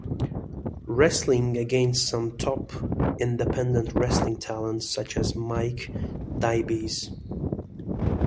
Wrestling against some top independent wrestling talent, such as Mike DiBiase.